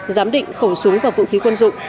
giám định khẩu súng và vũ khí quân dụng